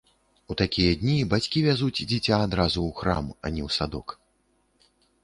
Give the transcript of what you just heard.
У такія дні бацькі вязуць дзіця адразу ў храм, а не ў садок.